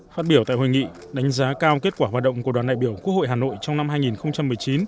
phát biểu tại hội nghị đánh giá cao kết quả hoạt động của đoàn đại biểu quốc hội hà nội trong năm hai nghìn một mươi chín